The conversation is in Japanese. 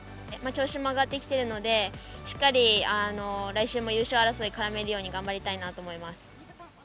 調子も上がってきてるので、しっかり来週も優勝争い、絡めるように、頑張りたいなと思います。